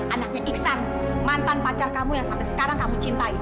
anaknya iksan mantan pacar kamu yang sampai sekarang kamu cintai